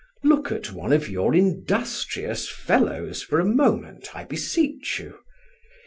Look at one of your industrious fellows for a moment, I beseech you.